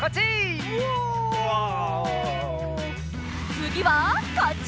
つぎはこっち！